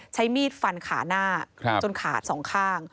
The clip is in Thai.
ใช้มีดฟันขาหน้าจนขาดสองข้าง